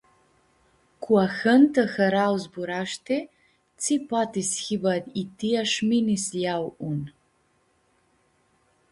Cu ahãntã harau zburashti, tsi poati s-hibã itia sh-mini s-ljeau un.